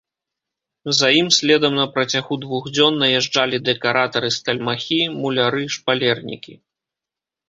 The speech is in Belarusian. За ім следам на працягу двух дзён наязджалі дэкаратары стальмахі, муляры, шпалернікі.